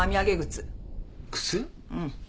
うん。